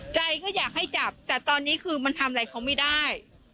ใจก็อยากให้จับแต่ตอนนี้คือมันทำอะไรเขาไม่ได้